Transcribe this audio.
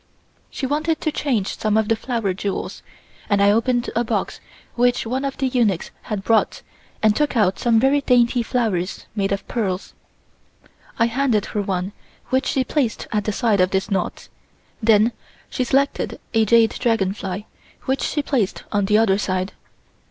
She wanted to change some of the flower jewels and I opened a box which one of the eunuchs had brought and took out some very dainty flowers made of pearls. I handed her one which she placed at the side of this knot, then she selected a jade dragonfly which she placed on the other side.